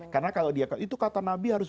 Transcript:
karena kalau dia itu kata nabi harus